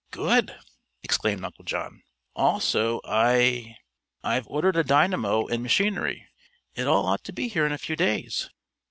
"Good!" exclaimed Uncle John. "Also I I've ordered a dynamo and machinery. It all ought to be here in a few days."